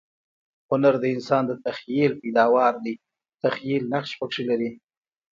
هنر د انسان د تخییل پیداوار دئ. تخییل نقش پکښي لري.